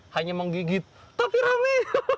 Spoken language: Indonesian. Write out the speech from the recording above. hanya menggigit tapi ramai